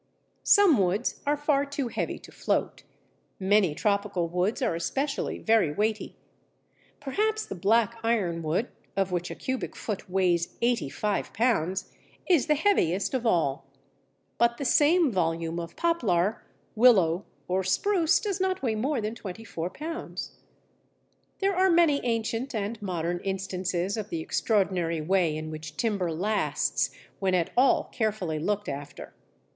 Some woods are far too heavy to float: many tropical woods are especially very weighty. Perhaps the Black Ironwood, of which a cubic foot weighs 85 lb., is the heaviest of all. But the same volume of Poplar, Willow, or Spruce does not weigh more than 24 lb. There are many ancient and modern instances of the extraordinary way in which timber lasts when at all carefully looked after.